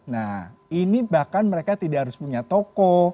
nah ini bahkan mereka tidak harus punya toko